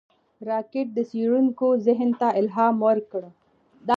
راکټ د څېړونکو ذهن ته الهام ورکړ